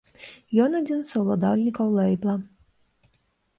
Ён адзін з саўладальнікаў лэйбла.